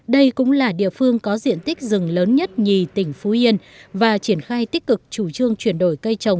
đây cũng là địa phương có diện tích rừng lớn nhất nhì tỉnh phú yên và triển khai tích cực chủ trương chuyển đổi cây trồng